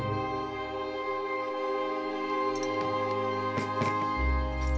dijadikan sama bubur aja kali